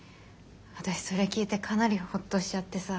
私それ聞いてかなりほっとしちゃってさ。